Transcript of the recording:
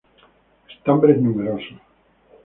Estambres numerosos.